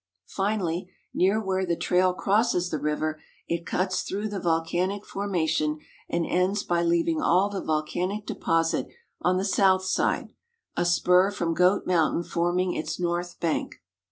Finally, near where the trail crosses the river, it cuts through the volcanic formation and ends by leaving all the vol canic deposit on the south side, a spur from Goat mountain form ing its north bank.